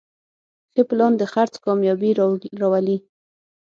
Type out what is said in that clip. ښه پلان د خرڅ کامیابي راولي.